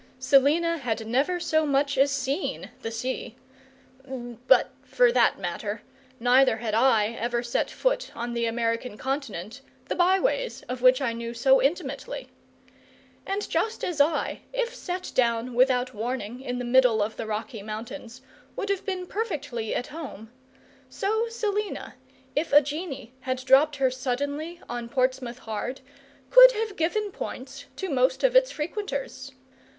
Selina had never so much as seen the sea; but for that matter neither had I ever set foot on the American continent, the by ways of which I knew so intimately. And just as I, if set down without warning in the middle of the Rocky Mountains, would have been perfectly at home, so Selina, if a genie had dropped her suddenly on Portsmouth Hard, could have given points to most of its frequenters.